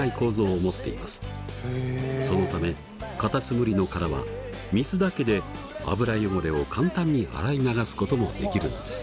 そのためカタツムリの殻は水だけで油汚れを簡単に洗い流すこともできるのです。